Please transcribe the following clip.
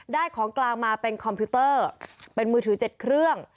ของกลางมาเป็นคอมพิวเตอร์เป็นมือถือ๗เครื่อง